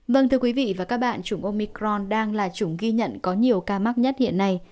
vâng thưa quý vị và các bạn chủng omicron đang là chủng ghi nhận có nhiều ca mắc nhất hiện nay